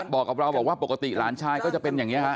บอกกับเราบอกว่าปกติหลานชายก็จะเป็นอย่างนี้ฮะ